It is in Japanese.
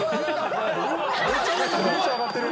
めちゃめちゃテンション上がっている。